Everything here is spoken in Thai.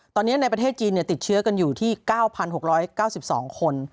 ตอนนี้ในประเทศจีนติดเชื้อกันอยู่ที่๙๖๙๒คน